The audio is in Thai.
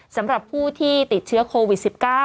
สำหรับผู้ที่ติดเชื้อโควิด๑๙